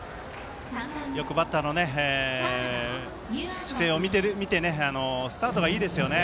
よくバッターの姿勢を見てスタートがいいですよね。